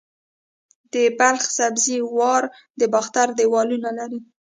د بلخ سبزې وار د باختر دیوالونه لري